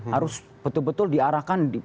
harus betul betul diarahkan